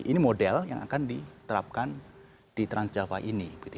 ini model yang akan diterapkan di trans jawa ini